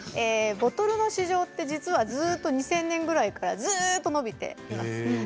ボトルの市場って実は２０００年ぐらいからずっと伸びています。